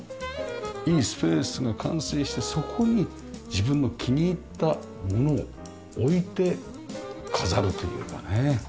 いいスペースが完成してそこに自分の気に入ったものを置いて飾るというかね。